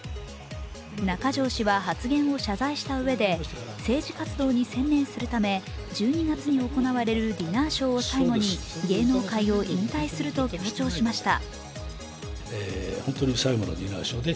中条氏は発言を謝罪したうえで政治活動に専念するため１２月に行われるディナーショーを最後に芸能界を引退すると強調しました。